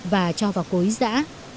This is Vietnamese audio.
và cho vào cối dã